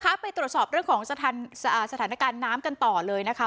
ไปตรวจสอบเรื่องของสถานการณ์น้ำกันต่อเลยนะคะ